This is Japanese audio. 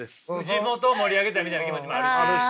地元を盛り上げたいみたいな気持ちもあるし。